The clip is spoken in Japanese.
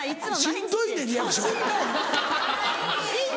しんどいねんリアクション。